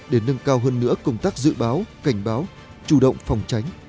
để nâng cao hơn nữa công tác dự báo cảnh báo chủ động phòng tránh